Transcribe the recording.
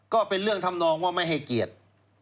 ก็เป็นเรื่องทำนองว่าไม่ให้เกียรติ